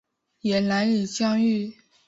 也难以相遇